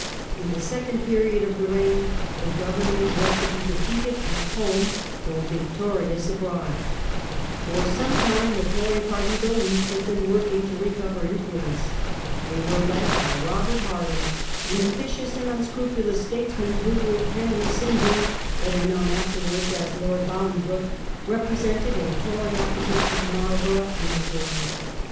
In the second period of the reign the government was to be defeated at A Tory homc though victorious abroad. For some reaction, ti^e the Tory party, though weak, had been working to recover influence. They were led by Robert Harley, an ambitious and unscrupulous statesman, who, with Henry St. John, better known afterwards as Lord Bolingbroke, represented a Tory opposition to Marl borough and the war.